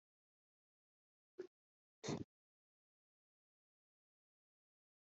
imihanda yo mu rwanda yahinduwe mu miterere